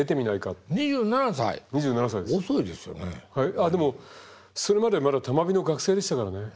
あっでもそれまではまだ多摩美の学生でしたからね。